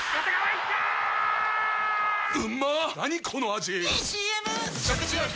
⁉いいＣＭ！！